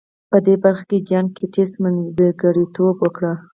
په دې برخه کې جان ګيټس منځګړيتوب وکړ.